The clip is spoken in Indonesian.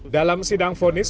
dalam sidang fonis